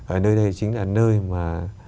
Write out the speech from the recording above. ở nơi đây chính là nơi mà